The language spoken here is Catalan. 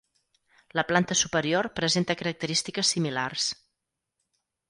La planta superior presenta característiques similars.